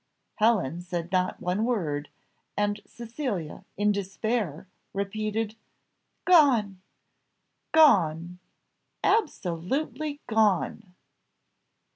Helen said not one word, and Cecilia, in despair, repeated, "Gone! gone! absolutely gone!